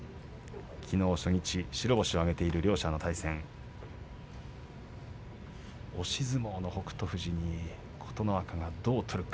きのう、ともに白星を挙げている両者の対戦押し相撲の北勝富士に琴ノ若がどう取るか。